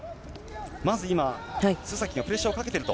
まず今、須崎がプレッシャーをかけていると。